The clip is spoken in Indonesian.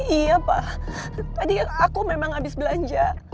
iya pak tadi aku memang habis belanja